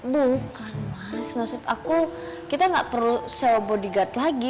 bukan mas maksud aku kita enggak perlu sewa bodigar lagi